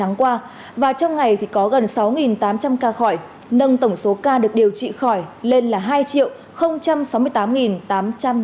nâng tổng số ca được điều trị khỏi lên là hai sáu mươi tám tám trăm năm mươi ba ca